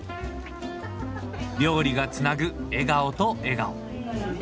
料理がつなぐ笑顔と笑顔。